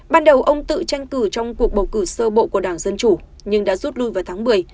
ban đầu ông tự tranh cử trong cuộc bầu cử sơ bộ của đảng dân chủ nhưng đã rút lui vào tháng một mươi